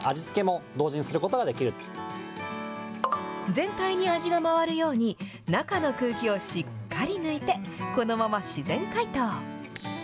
全体に味が回るように中の空気をしっかり抜いて、このまま自然解凍。